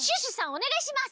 おねがいします。